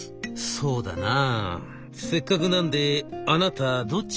「そうだなせっかくなんであなたどっちがいいですか？